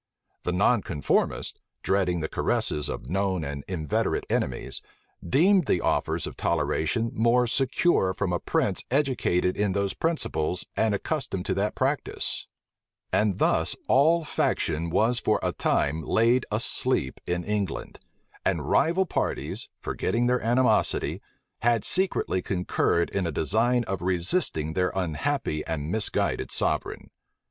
The nonconformists, dreading the caresses of known and inveterate enemies, deemed the offers of toleration more secure from a prince educated in those principles, and accustomed to that practice. And thus all faction was for a time laid asleep in England; and rival parties, forgetting their animosity, had secretly concurred in a design of resisting their unhappy and misguided sovereign.